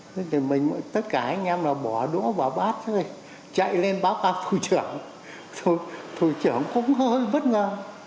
thế thì mình tất cả anh em bỏ đũa vào bát chạy lên báo cáo thủ trưởng thủ trưởng cũng hơi bất ngờ